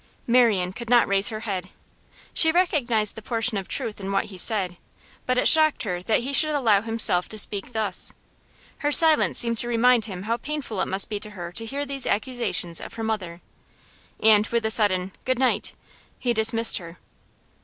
Marian could not raise her head. She recognised the portion of truth in what he said, but it shocked her that he should allow himself to speak thus. Her silence seemed to remind him how painful it must be to her to hear these accusations of her mother, and with a sudden 'Good night' he dismissed her.